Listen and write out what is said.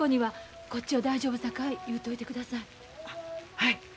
はい。